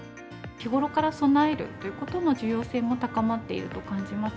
日頃から備えるということの重要性も高まっていると感じます。